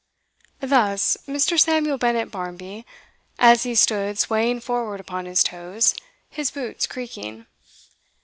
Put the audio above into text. Thus Mr. Samuel Bennett Barmby, as he stood swaying forward upon his toes, his boots creaking.